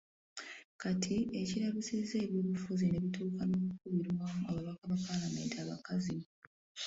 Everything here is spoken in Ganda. Kati ekiralusizza ebyobufuzi ne bituuka n’okukubirwamu ababaka ba palamenti abakazi.